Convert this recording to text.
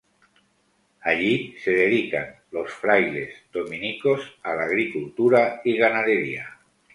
Allí se dedican, los frailes dominicos, a la agricultura y ganadería.